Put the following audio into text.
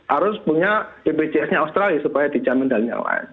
harus punya bpjs nya australia supaya dijamin dari yang lain